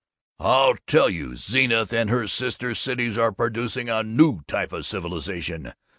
"'I tell you, Zenith and her sister cities are producing a new type of civilization.